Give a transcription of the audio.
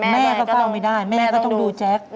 แม่ก็เฝ้าไม่ได้แม่ก็ต้องดูแจ๊ค